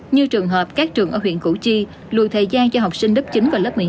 như trường hợp các trường ở huyện củ chi lùi thời gian cho học sinh lớp chín và lớp một mươi hai